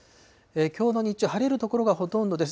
きょうの日中、晴れる所がほとんどです。